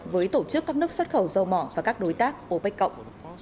với tổ chức các nước xuất khẩu dầu mỏ và các đối tác opec cộng